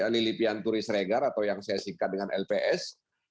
lilipian turis regar atau yang saya singkat dengan lps